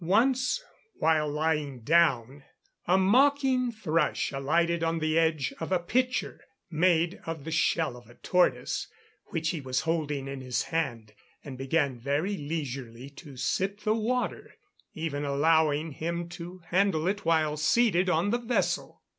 Once, while lying down, a mocking thrush alighted on the edge of a pitcher, made of the shell of a tortoise, which he was holding in his hand, and began very leisurely to sip the water, even allowing him to handle it while seated on the vessel.